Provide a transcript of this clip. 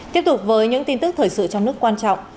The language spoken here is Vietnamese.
tiếp tục với những tin tức thời sự trong nước quan trọng